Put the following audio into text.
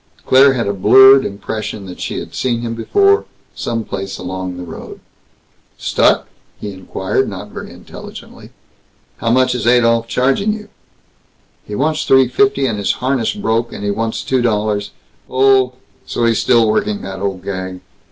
Claire had a blurred impression that she had seen him before, some place along the road. "Stuck?" he inquired, not very intelligently. "How much is Adolph charging you?" "He wants three fifty, and his harness broke, and he wants two dollars " "Oh! So he's still working that old gag!